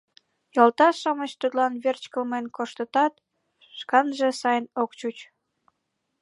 Йолташ-шамыч тудлан верч кылмен коштытат, шканже сай ок чуч.